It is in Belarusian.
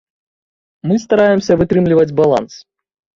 Мы стараемся вытрымліваць баланс.